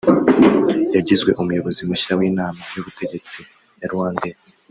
yagizwe umuyobozi mushya w’inama y’ubutegetsi ya Rwandair